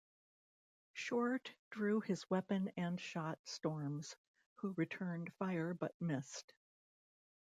Short drew his weapon and shot Storms, who returned fire but missed.